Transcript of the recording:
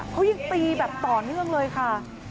เขายังตีแบบต่อเนื่องเลยค่ะ